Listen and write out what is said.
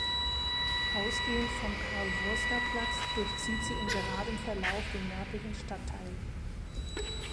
Ausgehend vom Carl-Wurster-Platz durchzieht sie in geradem Verlauf den nördlichen Stadtteil.